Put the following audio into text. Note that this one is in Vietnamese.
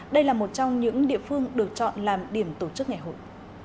đây là một trong những địa phương được chọn làm điểm tổ chức ngày hội